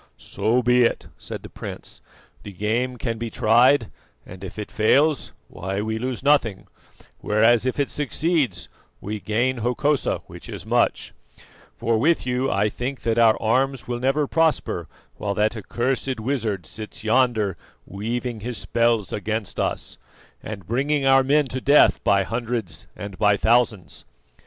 "So be it," said the prince; "the game can be tried, and if it fails, why we lose nothing, whereas if it succeeds we gain Hokosa, which is much; for with you I think that our arms will never prosper while that accursed wizard sits yonder weaving his spells against us, and bringing our men to death by hundreds and by thousands."